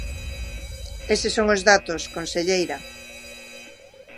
Eses son os datos, conselleira.